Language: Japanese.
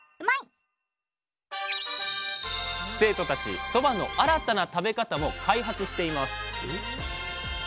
生徒たちそばの新たな食べ方も開発しています